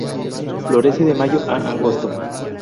Florece de mayo a agosto.